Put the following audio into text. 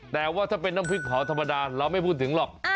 แต่ว่าถ้าเป็นน้ำพริกเผาธรรมดาเราไม่พูดถึงหรอก